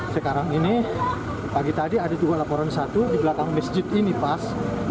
sekarang ini pagi tadi ada juga laporan satu di belakang masjid ini pas